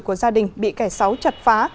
của gia đình bị kẻ sáu chặt phá